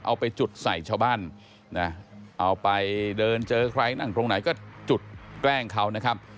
เอาไปจุดใส่ชาวบ้านนะเอาไปเดินเจอใครนั่งตรงไหนก็จุดแกล้งเขานะครับ